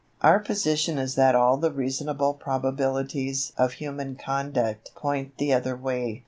Our position is that all the reasonable probabilities of human conduct point the other way.